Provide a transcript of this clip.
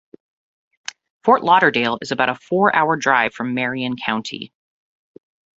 Fort Lauderdale is about a four-hour drive from Marion County.